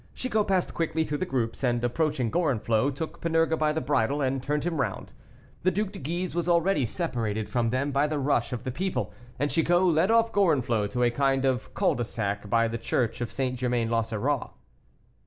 Chicot passed quickly through the groups, and approaching Gorenflot, took Panurge by the bridle and turned him round. The Duc de Guise was already separated from them by the rush of the people, and Chicot led off Gorenflot to a kind of cul de sac by the church of St. Germain l'Auxerrois.